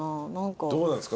どうなんですか？